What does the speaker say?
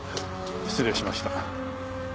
失礼しました。